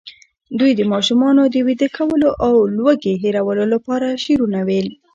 دوی د ماشومانو د ویده کولو او لوږې هېرولو لپاره شعرونه ویل.